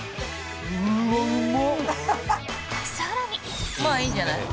更に。